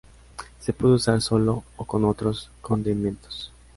Se puede usar sola o con otros condimentos.